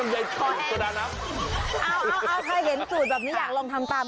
เอาใครเห็นสูตรแบบนี้อยากลองทำตาม